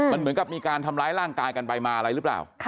มันเหมือนกับมีการทำร้ายร่างกายกันไปมาอะไรหรือเปล่า